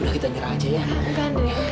udah kita nyerang aja ya